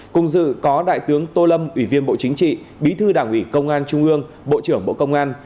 cùng dự có đại tướng tô lâm ủy viên bộ chính trị bí thư đảng ủy công an trung ương bộ trưởng bộ công an